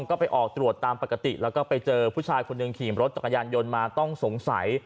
ก็ไปออกตรวจตามปกติแล้วก็ไปเจอผู้ชายคนหนึ่งขี่รถจักรยานยนต์มาต้องสงสัย